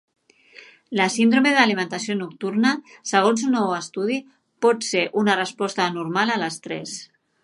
La síndrome d'alimentació nocturna, segons un nou estudi, pot ser una resposta anormal a l'estrès.